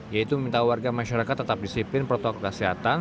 yaitu meminta warga masyarakat tetap disiplin protokol kesehatan